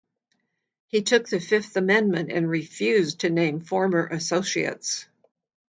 He took the Fifth Amendment and refused to name former associates.